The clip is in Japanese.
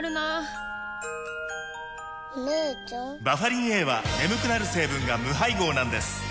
バファリンＡは眠くなる成分が無配合なんです